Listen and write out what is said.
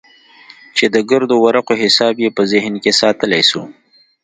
چې د ګردو ورقو حساب يې په ذهن کښې ساتلى سو.